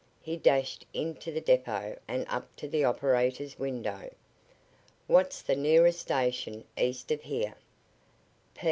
He dashed into the depot and up to the operator's window. "What's the nearest station east of here?"